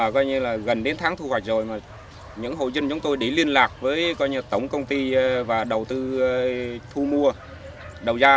với gần đến tháng thu hoạch rồi những hồ dân chúng tôi để liên lạc với tổng công ty và đầu tư thu mua đầu gia